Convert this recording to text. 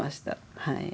はい。